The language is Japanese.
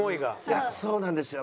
いやそうなんですよ。